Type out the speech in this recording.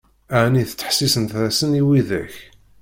Ɛni tettḥessisemt-asen i widak?